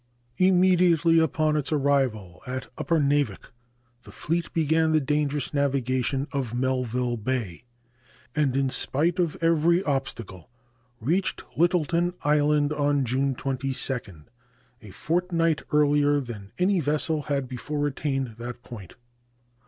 Immediately upon its arrival at Upernavik the fleet began the dangerous navigation of Melville Bay, and in spite of every obstacle reached Littleton Island on June 22, a fortnight earlier than any vessel had before attained that point.